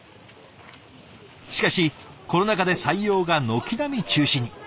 しかしコロナ禍で採用が軒並み中止に。